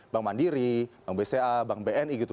bank mandiri bank bca bank bni gitu